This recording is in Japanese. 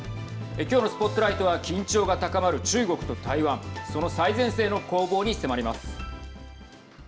今日のＳＰＯＴＬＩＧＨＴは緊張が高まる中国と台湾その最前線の攻防に迫ります。